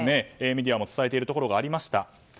メディアも伝えているところがありました。